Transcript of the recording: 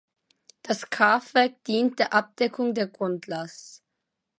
Das Kraftwerk dient der Abdeckung der Grundlast.